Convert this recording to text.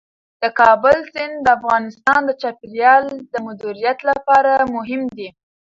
د کابل سیند د افغانستان د چاپیریال د مدیریت لپاره مهم دي.